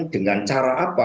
dengan cara apa